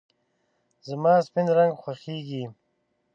زما سپین رنګ خوښېږي .